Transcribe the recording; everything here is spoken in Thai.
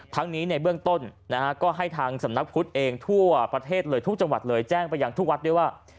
ทั้งนี้ในเบื้องต้นนะฮะก็ให้ทางสำนักพุทธเองทั่วประเทศเลยทุกจังหวัดเลยแจ้งไปยังทุกวัดด้วยว่า